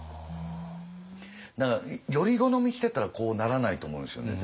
だからより好みしてたらこうならないと思うんですよね